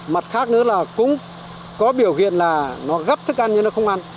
mặt khác nữa là cũng có biểu hiện là nó gấp thức ăn nhưng nó không ăn